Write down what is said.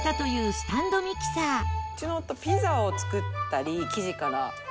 「うちの夫ピザを作ったり生地から」